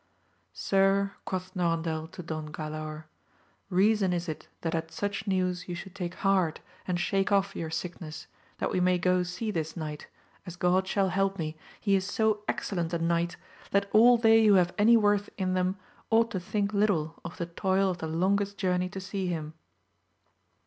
Sir, quoth Norandel to Don Galaor, reason is it that at such news you should take heart and shake off your sickness, that we may go see this knight, as GU)d shall help me, he is so excellent a knight, that all they who have any worth in them ought to think little of the toil of the longest journey to see him.